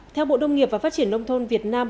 theo bộ nông nghiệp và phát triển nông thôn việt nam